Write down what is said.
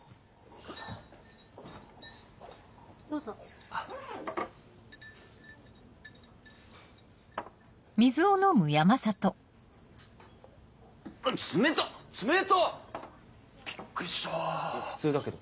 いや普通だけど。